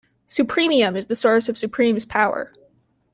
Supremium is the source of Supreme's power.